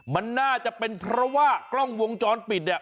มันน่าจะเป็นเพราะว่ากล้องวงจรปิดเนี่ย